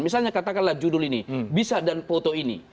misalnya katakanlah judul ini bisa dan foto ini